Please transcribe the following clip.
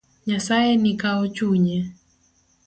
Nyasaye ni kawo chunye.